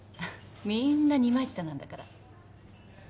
みんな二枚舌なんだから。